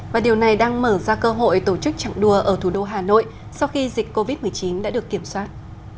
và điều này đang mở ra cơ hội tổ chức trạng đua ở thủ đô hà nội sau khi dịch covid một mươi chín đã được kiểm soát